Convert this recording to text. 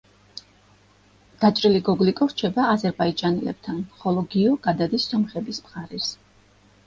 დაჭრილი გოგლიკო რჩება აზერბაიჯანელებთან, ხოლო გიო გადადის სომხების მხარეს.